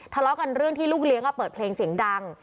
ทะเลาะกันเรื่องที่ลูกเลี้ยงเปิดเพลงเสียงดัง